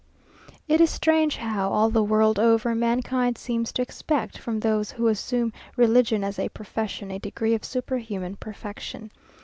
It is strange how, all the world over, mankind seems to expect from those who assume religion as a profession a degree of superhuman perfection.